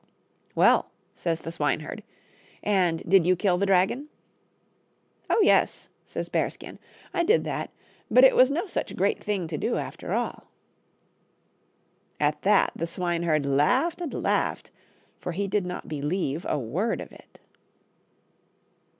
" Well," says the swineherd, " and did you kill the dragon ?"" Oh, yes," says Bearskin, " I did that, but it was no such great thing to do after all." At that the swineherd laughed and laughed, for he did not believe a word of it.